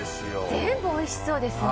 全部おいしそうですね。